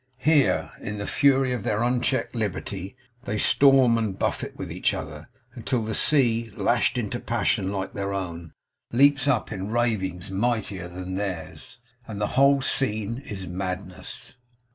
Here, in the fury of their unchecked liberty, they storm and buffet with each other, until the sea, lashed into passion like their own, leaps up, in ravings mightier than theirs, and the whole scene is madness.